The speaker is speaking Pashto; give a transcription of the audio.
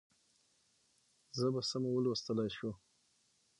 ژبه سمه ولوستلای شو.